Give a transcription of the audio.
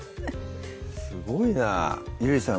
すごいなゆりさん